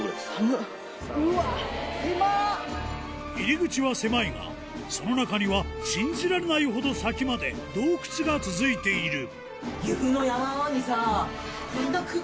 入り口は狭いがその中には信じられないほど先まで洞窟が続いている